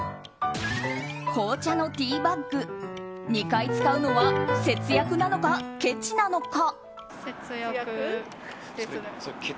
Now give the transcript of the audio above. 紅茶のティーバッグ２回使うのは節約なのか、けちなのか。